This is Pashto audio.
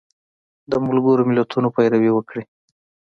د ملګرو ملتونو پیروي وکړي